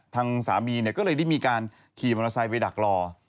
ทางสามีก็เลยได้มีการขี่มอเตอร์ไซค์ไปดักรอ